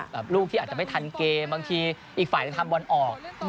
ลูกที่อาจจะไม่ทันเกมบางทีอีกฝ่ายจะทำบอลออก